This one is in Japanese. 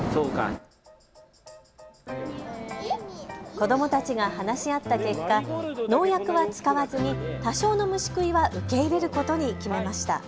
子どもたちが話し合った結果、農薬は使わずに多少の虫食いは受け入れることに決めました。